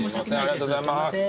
ありがとうございます。